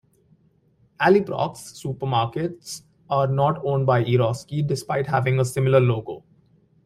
"Aliprox" supermarkets are not owned by Eroski, despite having a similar logo.